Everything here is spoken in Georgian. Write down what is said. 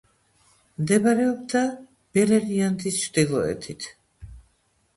მდებარეობდა ბელერიანდის ჩრდილოეთით.